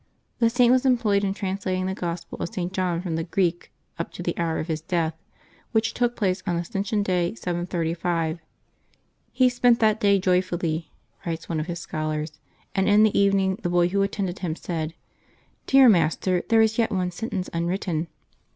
The Saint was employed in translating the Gospel of St. John from the Greek up to the hour of his death, which took place on Ascension Day, 735. "He spent that day joyfully,'^ writes one of liis scholars. And in the even ing the boy who attended him said, " Dear master, there is yet one sentence unwritten."